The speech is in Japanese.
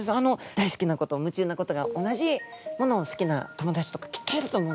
大好きなこと夢中なことが同じものを好きな友達とかきっといると思うんですね。